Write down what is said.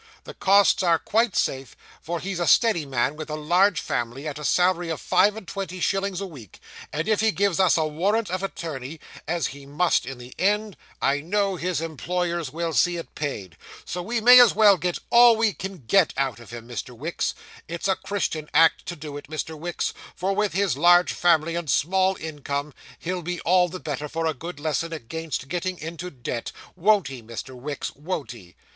The costs are quite safe, for he's a steady man with a large family, at a salary of five and twenty shillings a week, and if he gives us a warrant of attorney, as he must in the end, I know his employers will see it paid; so we may as well get all we can get out of him, Mr. Wicks; it's a Christian act to do it, Mr. Wicks, for with his large family and small income, he'll be all the better for a good lesson against getting into debt won't he, Mr. Wicks, won't he?"